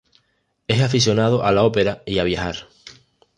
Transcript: Es aficionado a la ópera y a viajar.